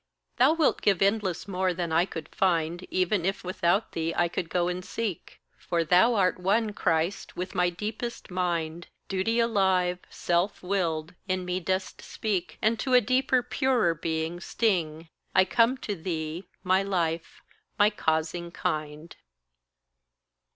Thou wilt give endless more than I could find, Even if without thee I could go and seek; For thou art one, Christ, with my deepest mind, Duty alive, self willed, in me dost speak, And to a deeper purer being sting: I come to thee, my life, my causing kind.